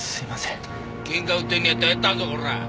ケンカ売ってんのやったらやったるぞコラッ。